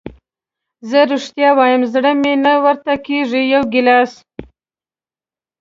زه رښتیا وایم زړه مې نه ورته کېږي، یو ګیلاس.